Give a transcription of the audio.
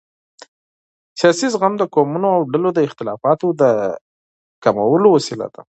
سیاسي زغم د قومونو او ډلو د اختلافاتو د کمولو وسیله ده